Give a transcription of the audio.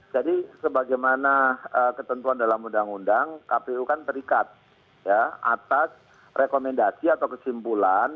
jadi sebagaimana ketentuan dalam undang undang kpu kan terikat atas rekomendasi atau kesimpulan